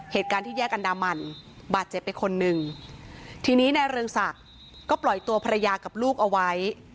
เหตุการณ์ที่แยกอันดามันบาดเจ็บไปคนหนึ่งทีนี้นายเรืองศักดิ์ก็ปล่อยตัวภรรยากับลูกเอาไว้